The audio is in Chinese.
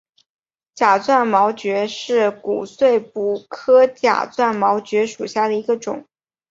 假钻毛蕨为骨碎补科假钻毛蕨属下的一个种。